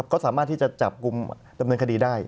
ก็สามารถที่จะจับกลุ่มดำเนินคดีได้